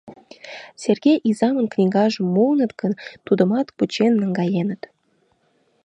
Серге изамын книгажым муыныт гын, тудымат кучен наҥгаеныт.